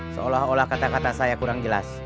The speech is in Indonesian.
seolah olah kata kata saya kurang jelas